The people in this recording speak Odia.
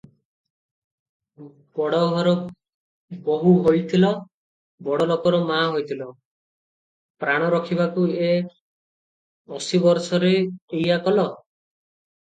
ବଡ଼ଘର ବୋହୂ ହୋଇଥିଲ ବଡ଼ଲୋକର ମା' ହୋଇଥିଲ, ପ୍ରାଣ ରଖିବାକୁ ଏ ଅଶୀବରଷରେ ଏଇଆ କଲ?